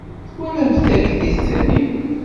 Twalamt tagellidt-nni?